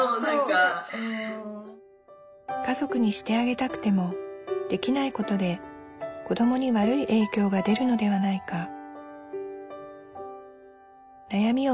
家族にしてあげたくてもできないことで子どもに悪い影響が出るのではないか。